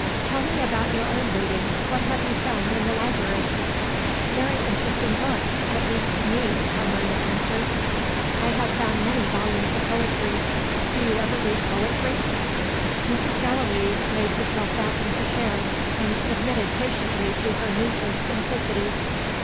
Tell me about your own reading. What have you found in the library?" "Very interesting books at least to me," Carmina answered. "I have found many volumes of poetry. Do you ever read poetry?" Mrs. Gallilee laid herself back in her chair, and submitted patiently to her niece's simplicity.